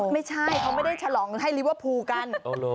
ไม่ใช่เขาไม่ได้ฉลองให้ลิเวอร์พูลกัน